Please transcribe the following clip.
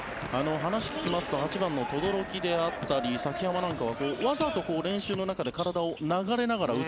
話を聞きますと８番の轟であったり崎濱はわざと練習の中で体を流しながら打つ